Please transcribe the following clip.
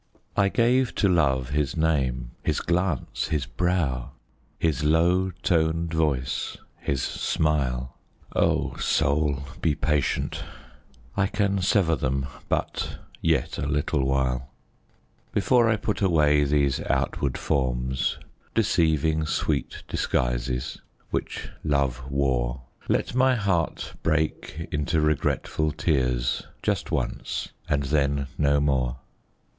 I gave to Love his name, his glance, his brow, His low toned voice, his smile, Oh, soul be patient; I can sever them But yet a little while Before I put away these outward forms Deceiving, sweet disguises, which Love wore Let my heart break into regretful tears Just once, and then no more.